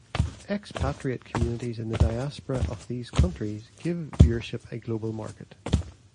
Expatriate communities in the diaspora of these countries give viewership a global market.